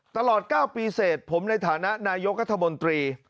ตลอด๙ปีเสร็จผมในฐานะนายกัธมนตรี